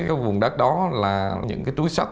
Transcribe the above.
cái vùng đất đó là những cái túi sắt